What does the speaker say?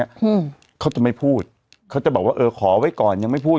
อืมเขาจะไม่พูดเขาจะบอกว่าเออขอไว้ก่อนยังไม่พูด